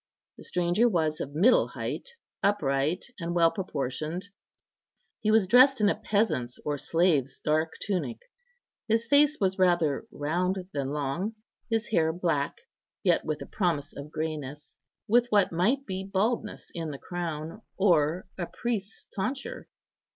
The stranger was of middle height, upright, and well proportioned; he was dressed in a peasant's or slave's dark tunic. His face was rather round than long; his hair black, yet with the promise of greyness, with what might be baldness in the crown, or a priest's tonsure.